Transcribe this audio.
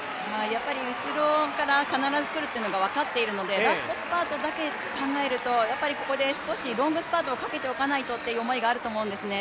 後ろから必ず来るというのが分かっているのでラストスパートだけ考えるとやっぱりここで少しロングスパートをかけておかないとっていう思いがあるんだと思いますね。